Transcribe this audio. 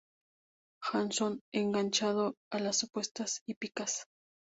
Hansson: enganchado a las apuestas hípicas.